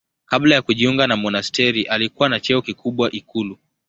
Kabla ya kujiunga na monasteri alikuwa na cheo kikubwa ikulu.